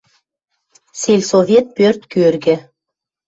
Сельсовет пӧрт кӧргӹ.